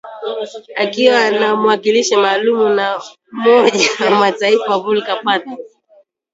Akiwa na mwakilishi maalum wa Umoja wa Mataifa, Volker Perthes